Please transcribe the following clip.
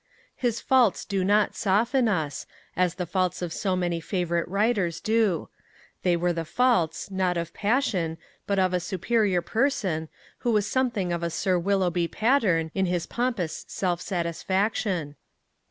His faults do not soften us, as the faults of so many favourite writers do. They were the faults, not of passion, but of a superior person, who was something of a Sir Willoughby Patterne in his pompous self satisfaction.